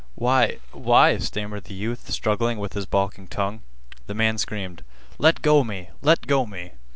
"Why—why—" stammered the youth struggling with his balking tongue. The man screamed: "Let go me! Let go me!"